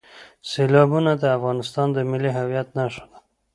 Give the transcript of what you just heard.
سیلابونه د افغانستان د ملي هویت نښه ده.